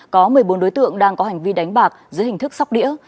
có một mươi bốn đối tượng đang có hành vi đánh bạc dưới hình thức sóc đĩa